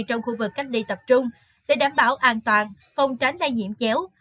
trong khu vực cách ly tập trung để đảm bảo an toàn phòng tránh lây nhiễm chéo